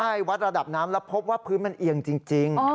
ใช่วัดระดับน้ำแล้วพบว่าพื้นมันเอียงจริง